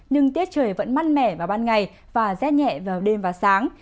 nhưng tiết trời vẫn mát mẻ vào ban ngày và rét nhẹ vào đêm và sáng